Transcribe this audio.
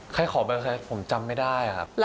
ใครขอแบบใครผมจำไม่ได้ครับ